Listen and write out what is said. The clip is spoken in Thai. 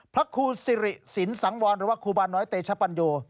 พระครูสิริสินสังวรหรือว่าครูบาน้อยเตชปัญโย